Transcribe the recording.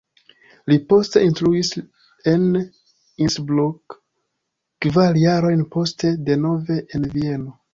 Li poste instruis en Innsbruck, kvar jarojn poste denove en Vieno.